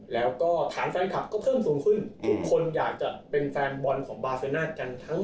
แล้วก็ฐานแฟนคลับก็เพิ่มสูงขึ้นทุกคนอยากจะเป็นแฟนบอลของบาเซน่ากันทั้งหมด